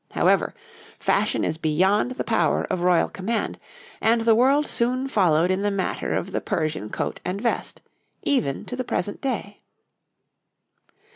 However, fashion is beyond the power of royal command, and the world soon followed in the matter of the Persian coat and vest, even to the present day.